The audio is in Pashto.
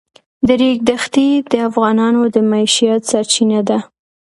د ریګ دښتې د افغانانو د معیشت سرچینه ده.